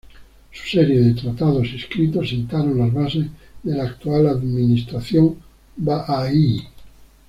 Su serie de tratados y escritos sentaron las bases de la actual administración bahaí.